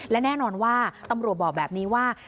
และแน่นอนว่าตำรวจบอกแบบนี้ว่า